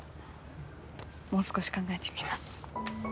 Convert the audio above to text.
もう少し考えてみます。